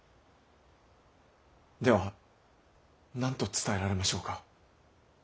では何と伝えられましょうか。